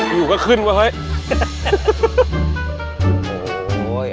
อยู่ก็ขึ้นว่าเฮ้ย